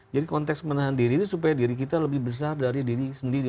jadi konteks menahan diri itu supaya diri kita lebih besar dari diri sendiri